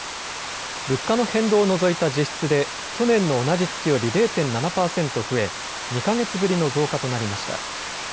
物価の変動を除いた実質で去年の同じ月より０．７％増え、２か月ぶりの増加となりました。